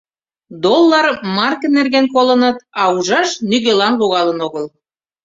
Доллар, марке нерген колыныт, а ужаш нигӧлан логалын огыл.